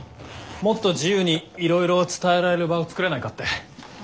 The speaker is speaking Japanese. もっと自由にいろいろ伝えられる場を作れないかって。